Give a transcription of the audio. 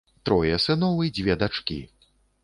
Трое сыноў і дзве дачкі.